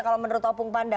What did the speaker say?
kalau menurut opung panda